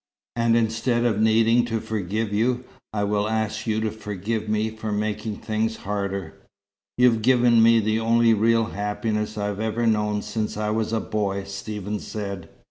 And instead of needing to forgive you, I will ask you to forgive me, for making things harder." "You've given me the only real happiness I've ever known since I was a boy," Stephen said.